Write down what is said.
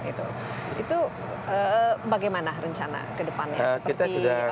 itu bagaimana rencana ke depannya